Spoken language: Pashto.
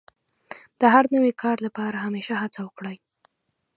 د هر نوي کار لپاره همېشه هڅه وکړئ.